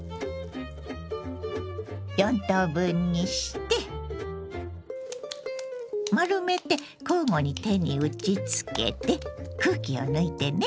４等分にして丸めて交互に手に打ちつけて空気を抜いてね。